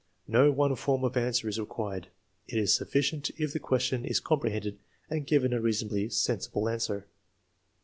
No one form of answer is required. It is sufficient if the question is comprehended and given a reasonably sensible answer.